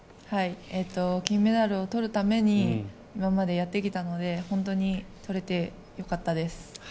金メダルを取るために今までやってきたので本当に取れてよかったです。